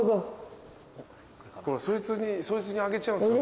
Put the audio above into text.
そいつにあげちゃうんすか？